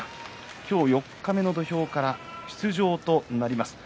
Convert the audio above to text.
今日、四日目の土俵から出場となります。